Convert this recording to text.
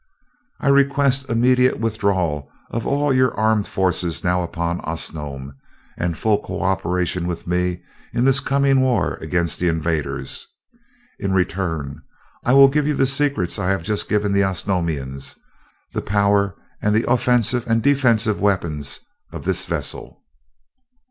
"I request immediate withdrawal of all your armed forces now upon Osnome and full co operation with me in this coming war against the invaders. In return, I will give you the secrets I have just given the Osnomians the power and the offensive and defensive weapons of this vessel."